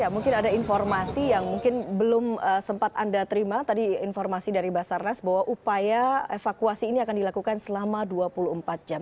mungkin ada informasi yang mungkin belum sempat anda terima tadi informasi dari basarnas bahwa upaya evakuasi ini akan dilakukan selama dua puluh empat jam